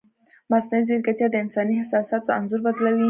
مصنوعي ځیرکتیا د انساني احساساتو انځور بدلوي.